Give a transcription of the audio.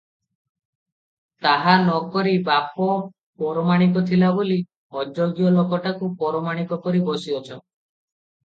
ତାହା ନ କରି ବାପ ପରମାଣିକ ଥିଲା ବୋଲି ଅଯୋଗ୍ୟ ଲୋକଟାକୁ ପରମାଣିକ କରି ବସିଅଛ ।